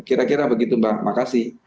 kira kira begitu mbak makasih